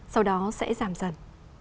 sau đó sẽ giảm dần